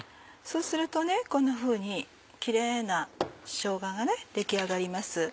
そうするとこんなふうにキレイなしょうがが出来上がります。